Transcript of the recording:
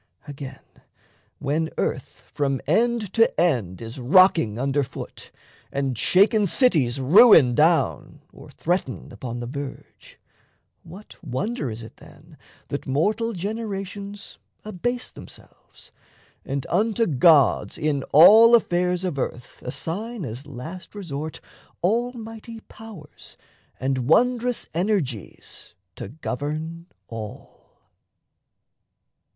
Again, when earth From end to end is rocking under foot, And shaken cities ruin down, or threaten Upon the verge, what wonder is it then That mortal generations abase themselves, And unto gods in all affairs of earth Assign as last resort almighty powers And wondrous energies to govern all?